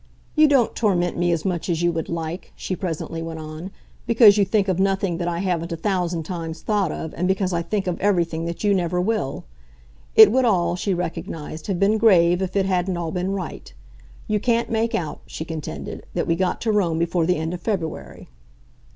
"You don't torment me as much as you would like," she presently went on, "because you think of nothing that I haven't a thousand times thought of, and because I think of everything that you never will. It would all," she recognised, "have been grave if it hadn't all been right. You can't make out," she contended, "that we got to Rome before the end of February."